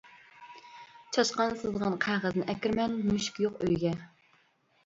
چاشقان سىزغان قەغەزنى ئەكىرىمەن مۈشۈك يوق ئۆيگە.